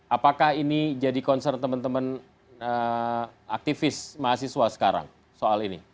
apakah ini jadi concern temen temen eee aktivis mahasiswa sekarang soal ini